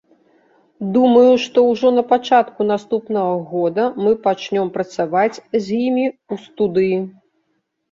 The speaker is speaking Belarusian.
Думаю, што ўжо на пачатку наступнага года мы пачнём працаваць з імі ў студыі.